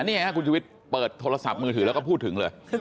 นี่คุณชุวิตเปิดโทรศัพท์มือถือแล้วก็พูดถึงเลย